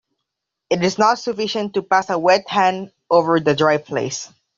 It is not sufficient to pass a wet hand over the dry place.